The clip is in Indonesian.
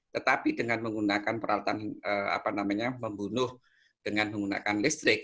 tetapi dengan menggunakan peralatan membunuh dengan menggunakan listrik